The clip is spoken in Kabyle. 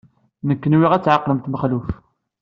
Nekk nwiɣ ad tɛeqlemt Mexluf.